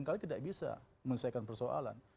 dia bisa menyesuaikan persoalan